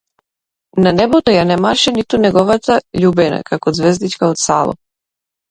На небото ја немаше ниту неговата љубена како ѕвездичка од сало.